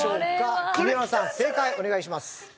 正解お願いします。